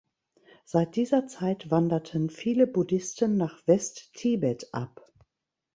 Seit dieser Zeit wanderten viele Buddhisten nach Westtibet ab.